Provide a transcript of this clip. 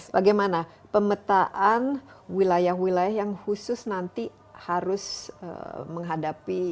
bagaimana pemetaan wilayah wilayah yang khusus nanti harus menghadapi